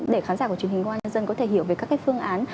để khán giả của truyền hình ngoan dân có thể hiểu về các cái phương án